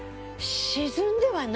沈んではないね。